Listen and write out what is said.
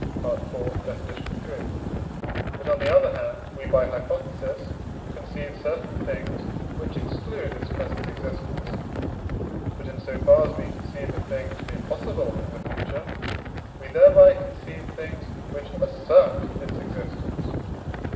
Def. iii.); but, on the other hand, we (by hypothesis) conceive certain things, which exclude its present existence. But, in so far as we conceive a thing to be possible in the future, we there by conceive things which assert its existence (IV.